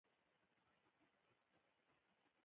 بد حالت تېرېدونکى دئ او توري شپې رؤڼا کېږي.